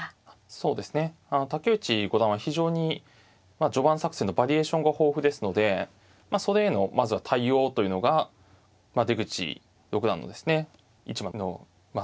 そうですね竹内五段は非常に序盤作戦のバリエーションが豊富ですのでそれへのまずは対応というのが出口六段のですね一番のま